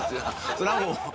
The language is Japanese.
それはもう。